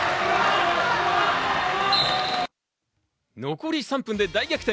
残り３分で大逆転。